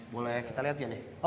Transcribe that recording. boleh kita lihat ya nih